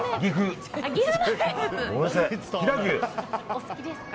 お好きですか？